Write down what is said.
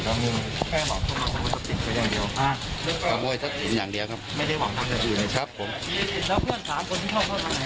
เราก็ไปที่เดิมนะ